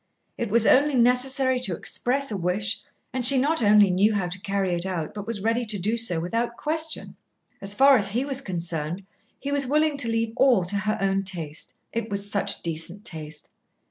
It was only necessary to express a wish, and she not only knew how to carry it out, but was ready to do so without question. As far as he was concerned, he was willing to leave all to her own taste. It was such decent taste.